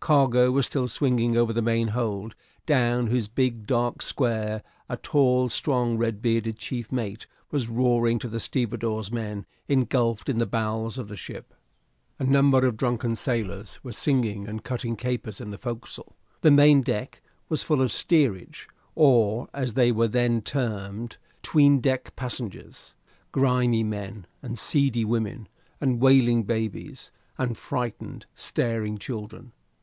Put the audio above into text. Cargo was still swinging over the main hold, down whose big, dark square a tall, strong, red bearded chief mate was roaring to the stevedore's men engulfed in the bowels of the ship. A number of drunken sailors were singing and cutting capers on the forecastle. The main deck was full of steerage, or, as they were then termed, 'tweendeck passengers grimy men, and seedy women and wailing babes, and frightened, staring children.